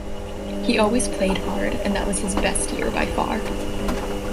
He always played hard, and that was his best year by far.